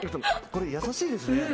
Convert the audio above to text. これ、優しいですね。